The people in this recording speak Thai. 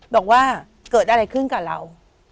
บอกว่าเกิดอะไรขึ้นกับเรา